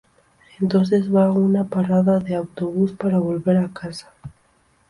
Entonces, va a una parada de autobús para volver a casa.